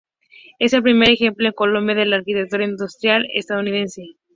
Es el primer ejemplo en Colombia de la arquitectura industrial estadounidense.